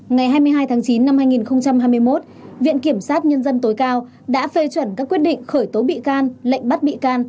ngày hai mươi hai tháng chín năm hai nghìn hai mươi một viện kiểm sát nhân dân tối cao đã phê chuẩn các quyết định khởi tố bị can lệnh bắt bị can